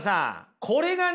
これがね